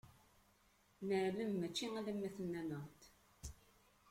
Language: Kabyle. Neɛlem, mačči alamma tennam-aɣ-d.